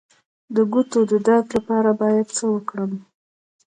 د ګوتو د درد لپاره باید څه وکړم؟